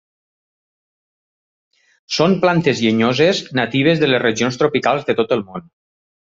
Són plantes llenyoses natives de les regions tropicals de tot el món.